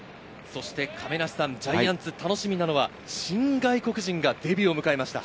亀梨さん、ジャイアンツ、楽しみなのは新外国人がデビューを迎えました。